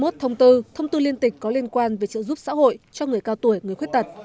hai mươi một thông tư thông tư liên tịch có liên quan về trợ giúp xã hội cho người cao tuổi người khuyết tật